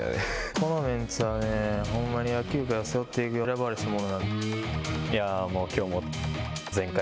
このメンツはね、ほんまに野球界を背負っていく、選ばれし者なんで。